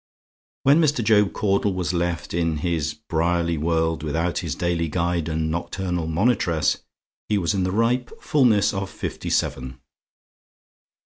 When Mr. Job Caudle was left in this briary world without his daily guide and nocturnal monitress, he was in the ripe fulness of fifty seven.